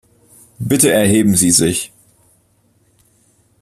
Bitte erheben Sie sich.